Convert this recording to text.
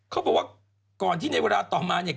เขาบอกว่าก่อนที่ในเวลาต่อมาเนี่ย